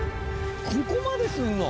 ここまでするの？